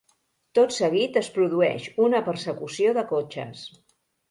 Tot seguit es produeix una persecució de cotxes.